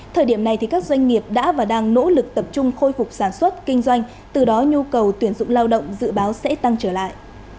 thời điểm này các doanh nghiệp đã và đang nỗ lực tập trung khôi phục sản xuất kinh doanh từ đó nhu cầu tuyển dụng lao động dự báo sẽ tăng trở lại